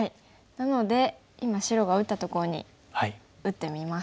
なので今白が打ったところに打ってみます。